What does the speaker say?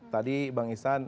tadi bang iscan